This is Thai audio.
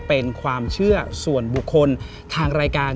เป็นความเชื่อส่วนบุคคลทางรายการ